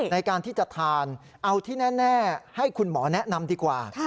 ในการที่จะทานเอาที่แน่ให้คุณหมอแนะนำดีกว่า